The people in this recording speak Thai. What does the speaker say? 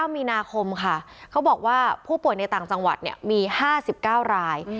มีนาคมค่ะเขาบอกว่าผู้ป่วยในต่างจังหวัดมี๕๙ราย